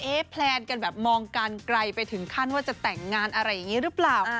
แพลนกันแบบมองกันไกลไปถึงขั้นว่าจะแต่งงานอะไรอย่างนี้หรือเปล่า